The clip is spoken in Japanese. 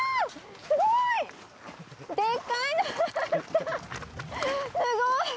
すごーい！